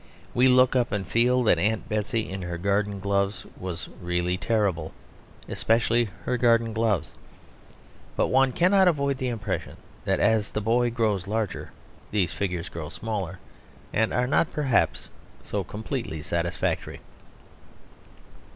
We look up and feel that Aunt Betsey in her garden gloves was really terrible especially her garden gloves. But one cannot avoid the impression that as the boy grows larger these figures grow smaller, and are not perhaps so completely satisfactory.